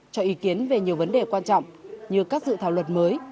cho ý kiến về nhiều vấn đề quan trọng như các dự thảo luật mới